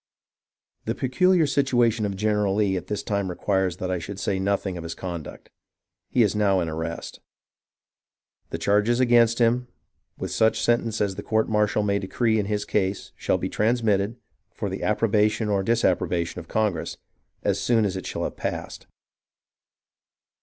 The peculiar situation of General Lee at this time requires that I should say nothing of his conduct. He is now in arrest. The charges against him, wuth such sentence as the court martial may decree in his case, shall be transmitted, for the approbation or disapprobation of Congress, as soon as it shall have passed.